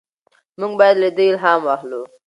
موږ باید له ده الهام واخلو.